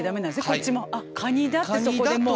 こっちも「あっ蟹だ」ってそこでもう。